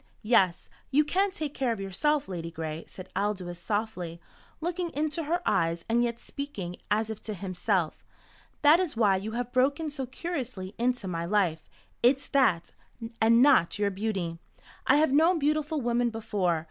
"Yes, you can take care of yourself, Ladygray," said Aldous softly, looking into her eyes and yet speaking as if to himself. "That is why you have broken so curiously into my life. It's that and not your beauty. I have known beautiful women before.